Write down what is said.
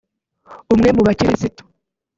umwe mubakirisitu